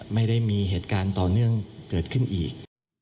ไม่ได้มีเหตุการณ์ต่อเนื่องเกิดขึ้นอีก